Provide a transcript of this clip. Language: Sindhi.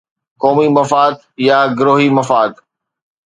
قومي مفاد يا گروهي مفاد؟